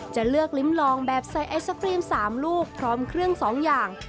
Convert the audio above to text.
จะเลือกลิ้มลองแบบใส่ไอศครีม๓ลูกพร้อมเครื่อง๒อย่าง